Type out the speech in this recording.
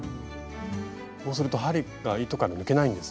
こうすると針が糸から抜けないんですね。